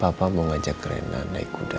papa mau ngajak rena naik kuda lagi